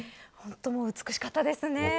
本当に美しかったですね。